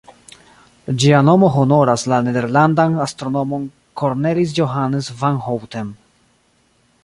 Ĝia nomo honoras la nederlandan astronomon Cornelis Johannes van Houten.